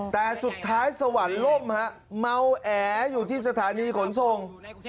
แต่สุดท้ายสวรรค์ล่มฮะเมาแออยู่ที่สถานีขนส่ง